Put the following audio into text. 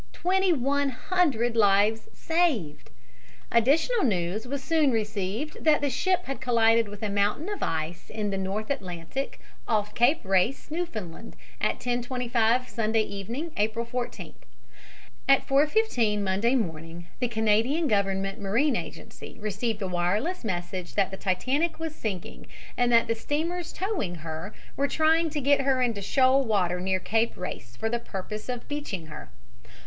Twenty one hundred lives saved! Additional news was soon received that the ship had collided with a mountain of ice in the North Atlantic, off Cape Race, Newfoundland, at 10.25 Sunday evening, April 14th. At 4.15 Monday morning the Canadian Government Marine Agency received a wireless message that the Titanic was sinking and that the steamers towing her were trying to get her into shoal water near Cape Race, for the purpose of beaching her.